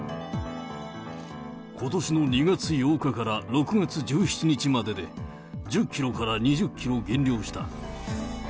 ことしの２月８日から６月１７日までで、１０キロから２０キロ減量した。